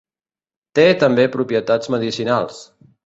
Té també propietats medicinals.